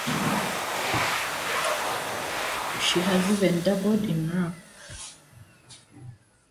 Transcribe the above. She has even dabbled in rap.